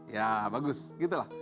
ya bagus gitu lah